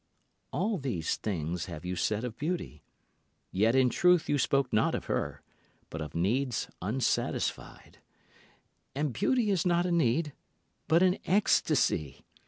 All these things have you said of beauty, Yet in truth you spoke not of her but of needs unsatisfied, And beauty is not a need but an ecstasy.